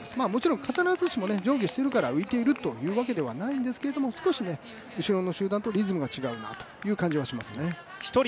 もちろん必ずしも上下しているから浮いているというわけではないんですが少し後ろの集団とリズムが違うなという感じはしますね。